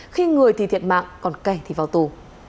khi người thì thiệt mạng còn kẻ thì vào tù